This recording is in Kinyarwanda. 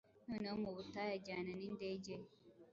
Noneho mu butayu ajyana nindege ye